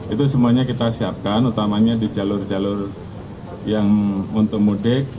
itu semuanya kita siapkan utamanya di jalur jalur yang untuk mudik